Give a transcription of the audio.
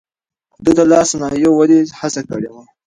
ده د لاس صنايعو ودې هڅه کړې وه.